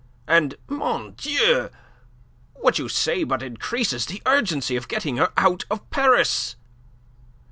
And, mon Dieu, what you say but increases the urgency of getting her out of Paris.